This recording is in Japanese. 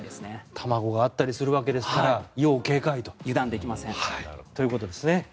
卵があったりするわけですから要警戒と。ということですね。